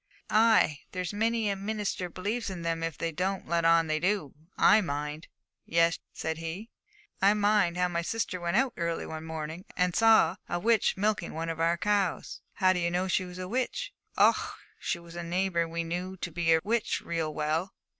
'Ay, there's many a minister believes in them if they don't let on they do. I mind ' 'Yes,' said he. 'I mind how my sister went out early one morning, and saw a witch milking one of our cows.' 'How did you know she was a witch?' 'Och, she was a neighbour we knew to be a witch real well.